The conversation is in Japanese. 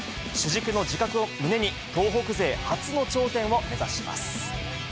主軸の自覚を胸に、東北勢初の頂点を目指します。